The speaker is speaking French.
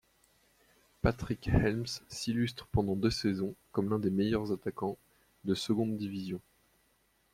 Patrick Helmes s'illustre pendant deux saisons comme l'un des meilleurs attaquants de seconde division.